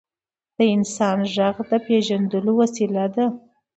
د انسان ږغ د پېژندلو وسیله هم ده.